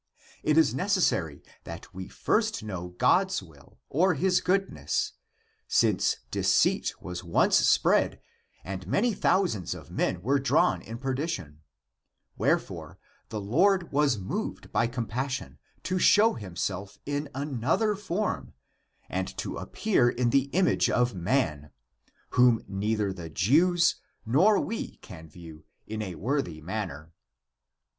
It is necessary that we first know God's will or his good ness, since deceit was once spread and many thou sands of men were drawn in perdition, wherefore the Lord was moved by compassion to show him self in another form and to appear in the image of man, whom neither the Jews nor w^e can view in a worthy manner.